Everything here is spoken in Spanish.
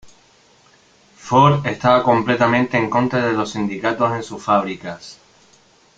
Ford estaba completamente en contra de los sindicatos en sus fábricas.